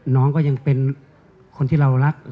น้องก็ยังเป็นคนที่เรารัก